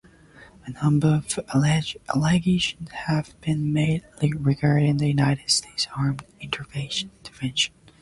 A number of allegations have been made regarding the United States' armed intervention.